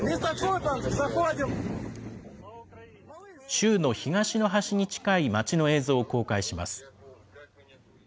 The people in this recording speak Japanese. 州の東の端に近い街の映像を公開します。